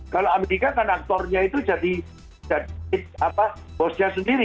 kalau amerika kan aktornya itu jadi bosnya sendiri